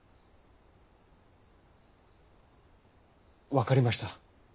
分かりました。